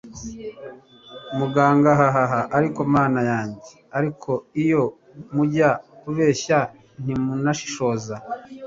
muganga hahaha! ariko mana yanjye, ariko iyo mujya kubeshya ntimunashishoza